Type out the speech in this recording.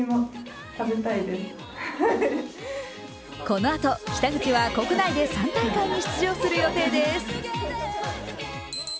このあと北口は国内で３大会に出場する予定です。